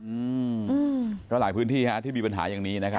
อืมก็หลายพื้นที่ฮะที่มีปัญหาอย่างนี้นะครับ